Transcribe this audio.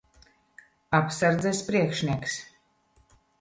Apsardzes priekšnieks.